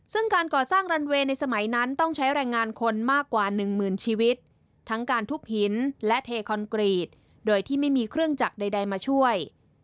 ซึ่งการก่อสร้างรันเวย์ในสมัยนั้นต้องใช้แรงงานคนมากกว่าหนึ่งหมื่นชีวิตทั้งการทุบหินและเทคอนกรีตโดยที่ไม่มีเครื่องจักรใดมาช่วย